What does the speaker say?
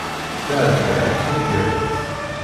Tɛedda akken igerrez.